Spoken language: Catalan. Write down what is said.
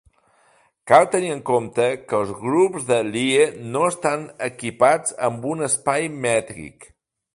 Cal tenir en compte que els grups de Lie no estan equipats amb un espai mètric.